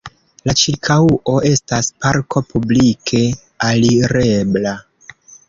La ĉirkaŭo estas parko publike alirebla.